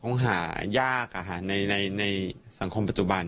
คงหายากในสังคมปัจจุบัน